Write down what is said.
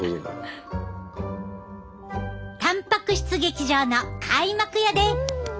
「たんぱく質劇場」の開幕やで！